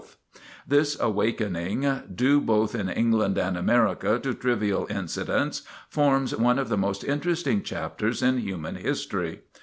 [Sidenote: A Higher Civilization] This awakening, due both in England and America to trivial incidents, forms one of the most interesting chapters in human history.